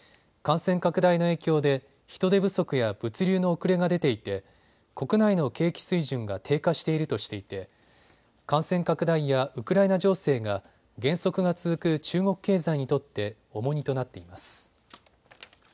感染拡大の影響で人手不足や物流の遅れが出ていて国内の景気水準が低下しているとしていて感染拡大やウクライナ情勢が減速が続く中国経済にとって重荷となっています。